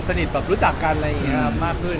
ใช่ครับพอร่วมพอรู้จักกันมากขึ้น